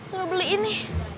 gua beli ini